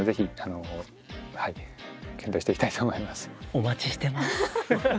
お待ちしてます。